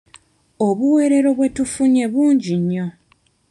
Obuweerero bwe tufunye bungi nnyo.